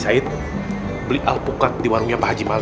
sayed beli alpukat di warungnya pak haji mali